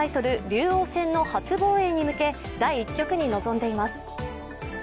竜王戦の初防衛に向け第１局に臨んでいます。